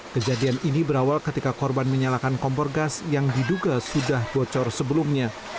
kejadian ini berawal ketika korban menyalakan kompor gas yang diduga sudah bocor sebelumnya